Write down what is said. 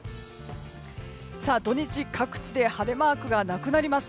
土日、各地で晴れマークがなくなります。